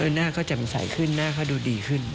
หน้าก็แจ่มใสขึ้นหน้าเขาดูดีขึ้น